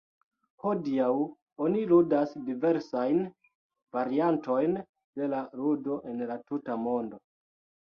Hodiaŭ oni ludas diversajn variantojn de la ludo en la tuta mondo.